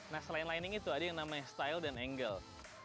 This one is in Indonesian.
nah selain lining itu ada yang namanya style dan angle